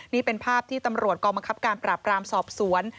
นี่เป็นภาพที่ตำรวจกองบังคับการปราบรามสอบสวน